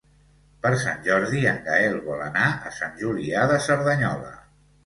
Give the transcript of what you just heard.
Per Sant Jordi en Gaël vol anar a Sant Julià de Cerdanyola.